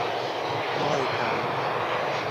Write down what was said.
ด้วยซ้ำ